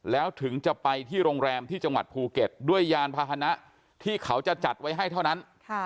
แล้วถึงจะไปที่โรงแรมที่จังหวัดภูเก็ตด้วยยานพาหนะที่เขาจะจัดไว้ให้เท่านั้น